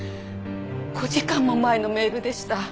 ５時間も前のメールでした。